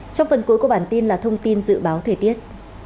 trong phần cuối của bản tin là thông tin dự báo thời tiết